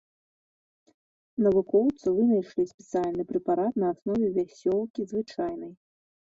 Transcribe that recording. Навукоўцы вынайшлі спецыяльны прэпарат на аснове вясёлкі звычайнай.